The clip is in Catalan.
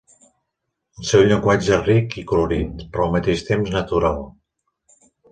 El seu llenguatge és ric i colorit, però al mateix temps natural.